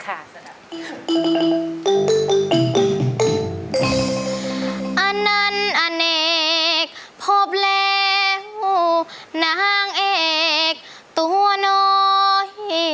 อันนั้นอเนกพบแล้วนางเอกตัวน้อย